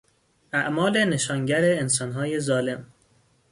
اعمال نشانگر انسانهای ظالم